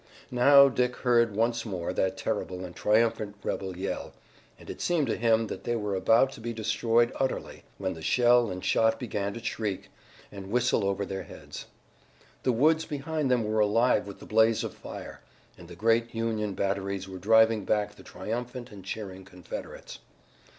Now Dick heard once more that terrible and triumphant rebel yell, and it seemed to him that they were about to be destroyed utterly, when shell and shot began to shriek and whistle over their heads. The woods behind them were alive with the blaze of fire, and the great Union batteries were driving back the triumphant and cheering Confederates.